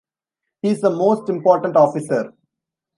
He’s a most important officer.